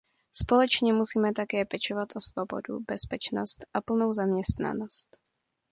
Společně musíme také pečovat o svobodu, bezpečnost a plnou zaměstnanost.